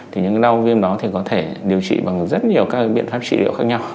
thì những cái đau viêm đó thì có thể điều trị bằng rất nhiều các biện pháp trị liệu khác nhau